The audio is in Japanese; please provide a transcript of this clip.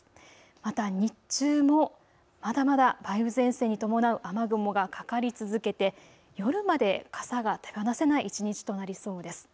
また日中もまだまだ梅雨前線に伴う雨雲がかかり続けて夜まで傘が手放せない一日となりそうです。